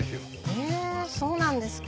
へぇそうなんですか。